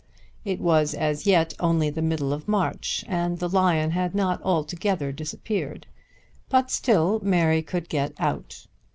It was as yet only the middle of March and the lion had not altogether disappeared; but still Mary could get out.